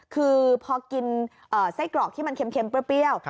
คือพอกินไส้กรอกที่มันเค็มเปรี้ยว